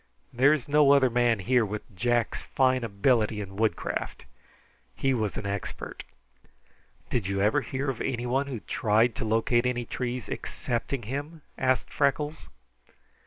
There is no other man here with Jack's fine ability in woodcraft. He was an expert." "Did you ever hear of anyone who ever tried to locate any trees excepting him?" asked Freckles.